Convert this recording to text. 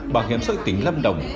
bảo hiểm xã hội tỉnh lâm đồng